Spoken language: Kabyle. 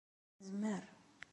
Nezmer.